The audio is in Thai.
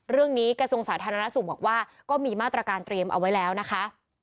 กระทรวงสาธารณสุขบอกว่าก็มีมาตรการเตรียมเอาไว้แล้วนะคะ